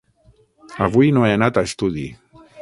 Avui no he anat a estudi.